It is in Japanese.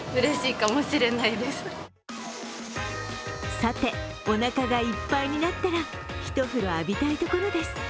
さて、おなかがいっぱいになったら一風呂浴びたいところです。